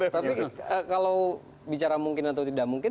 tapi kalau bicara mungkin atau tidak mungkin